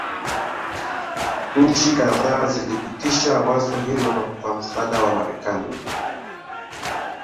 nchi kadhaa zilipitisha wazo hilo kwa msaada wa marekani